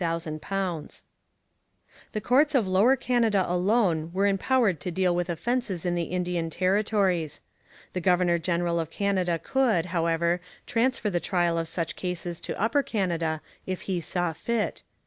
The courts of Lower Canada alone were empowered to deal with offences in the Indian Territories. The governor general of Canada could, however, transfer the trial of such cases to Upper Canada, if he saw fit.